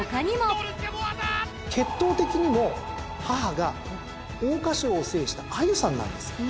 血統的にも母が桜花賞を制したアユサンなんですよ。